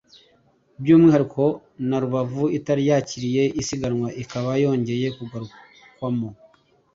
by’umwihariko na Rubavu itari yakiriye isiganwa ikaba yongeye kugarukwamo